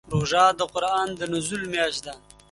روژه د قرآن د نزول میاشت ده.